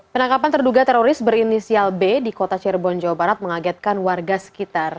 penangkapan terduga teroris berinisial b di kota cirebon jawa barat mengagetkan warga sekitar